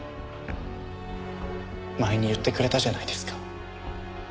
前に言ってくれたじゃないですか。